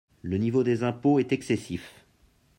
Le niveau des impôts est excessif.